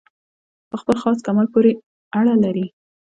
په خپل خاص کمال پوري اړه لري.